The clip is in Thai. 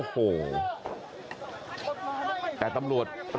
กลับไปลองกลับ